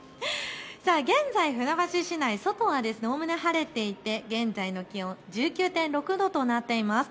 現在、船橋市内、外はおおむね晴れていて現在の気温１９．６度となっています。